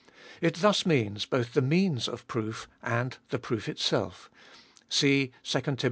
It thus means both the means of proof and the proof itself. See 2 Tim.